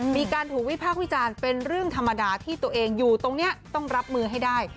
มีการถูกวิพากษ์วิจารณ์เป็นเรื่องธรรมดาที่ตัวเองอยู่ตรงนี้ต้องรับมือให้ได้